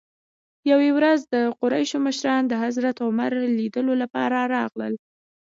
یوې ورځ د قریشو مشران د حضرت عمر لیدلو لپاره راغلل.